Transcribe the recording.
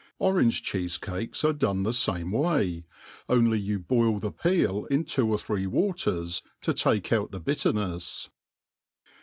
Orange cheefecakes are done the fame way, only you boil the peel in two or three waters, to take out the bitternefs.